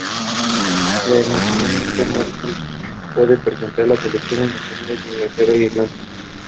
He was also and Deputy Lieutenant of South Glamorgan.